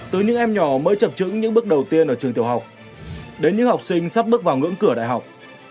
từ những em nhỏ mới chập trứng những bước đầu tiên ở trường tiểu học đến những học sinh sắp bước vào ngưỡng cửa đại học